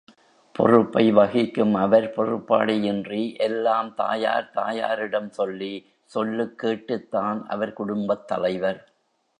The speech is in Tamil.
பொறுப்பை வகிக்கும் அவர், பொறுப்பாளியின்றி, எல்லாம் தாயார் தாயாரிடம் சொல்லி சொல்லுக் கேட்டுத்தான் அவர் குடும்பத் தலைவர்!